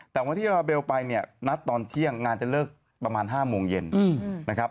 แต่วันที่ลาเบลไปเนี่ยนัดตอนเที่ยงงานจะเลิกประมาณ๕โมงเย็นนะครับ